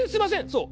そう。